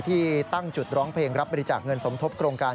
ที่ตั้งจุดร้องเพลงรับบริจาคเงินสมทบโครงการ